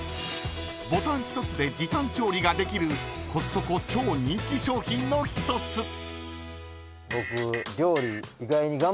ボタン１つで時短調理ができるコストコ超人気商品の一つ。